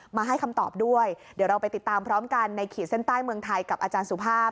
มาให้คำตอบด้วยเดี๋ยวเราไปติดตามพร้อมกันในขีดเส้นใต้เมืองไทยกับอาจารย์สุภาพ